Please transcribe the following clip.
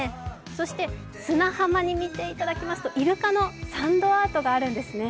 そして砂浜に寄っていただきますと、イルカのサンドアートがあるんですね。